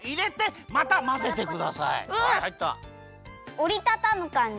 おりたたむかんじ？